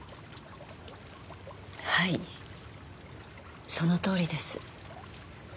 はいそのとおりです。